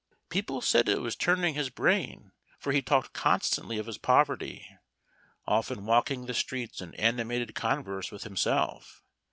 People said it was turning his brain, for he talked constantly of his poverty, often walking the streets in animated converse with himself.